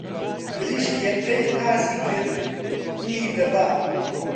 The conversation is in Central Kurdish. مریشک هێلکهی قازی کرد قنگی دڕا